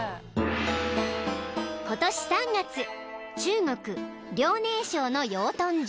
［今年３月中国遼寧省の養豚場］